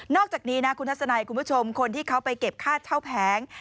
อกจากนี้นะคุณทัศนัยคุณผู้ชมคนที่เขาไปเก็บค่าเช่าแผง